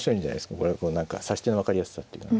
これはこう何か指し手の分かりやすさっていうのは。